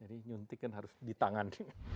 jadi nyuntik kan harus di tangan